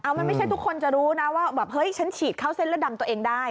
มันไม่ใช่ทุกคนจะรู้นะว่าแบบเฮ้ยฉันฉีดเข้าเส้นเลือดดำตัวเองได้